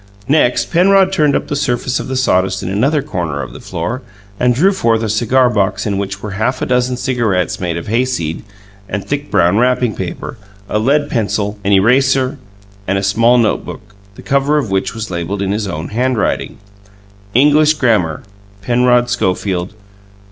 Next, Penrod turned up the surface of the sawdust in another corner of the floor, and drew forth a cigar box in which were half a dozen cigarettes, made of hayseed and thick brown wrapping paper, a lead pencil, an eraser, and a small note book, the cover of which was labelled in his own handwriting: "English Grammar. Penrod Schofield.